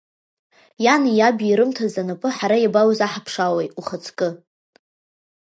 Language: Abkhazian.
Иани иаби ирымҭаз анапы ҳара иабаизаҳаԥшаауеи, ухаҵкы?